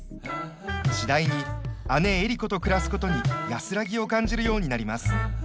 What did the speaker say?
次第に姉江里子と暮らすことに安らぎを感じるようになります。